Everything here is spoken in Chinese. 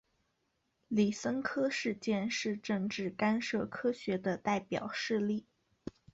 李森科事件是政治干涉科学的代表事例。